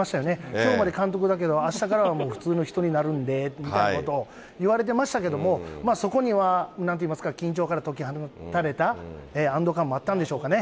きょうまで監督だけど、あしたからはもう普通の人になるんでというふうなことを言われてましたけども、そこにはなんといいますか、緊張から解き放たれた安ど感もあったんでしょうかね。